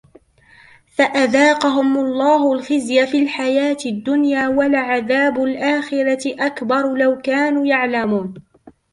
فأذاقهم الله الخزي في الحياة الدنيا ولعذاب الآخرة أكبر لو كانوا يعلمون